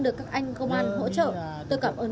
được các anh công an hỗ trợ tôi cảm ơn